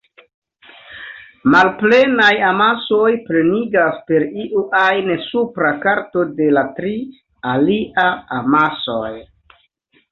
Malplenaj amasoj plenigas per iu ajn supra karto de la tri alia amasoj.